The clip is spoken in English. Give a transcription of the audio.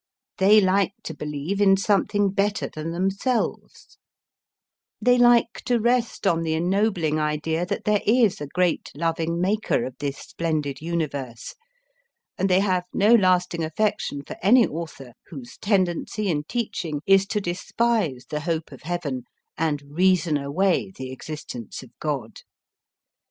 They like to believe in something better than themselves ; they like to rest on the ennobling idea that there is a great loving Maker of this splendid Universe, and they have no lasting affection for any author whose tendency and teaching is to despise the hope of heaven, and reason away the existence of God.